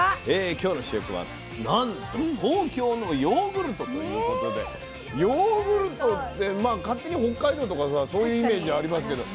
今日の主役はなんと東京のヨーグルトということでヨーグルトって勝手に北海道とかさそういうイメージありますけど東京で。